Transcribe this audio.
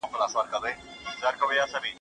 کمپيوټر لاګاېن غواړي.